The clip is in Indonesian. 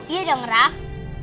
iya dong raff